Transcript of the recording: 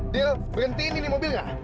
del berhentiin ini mobil gak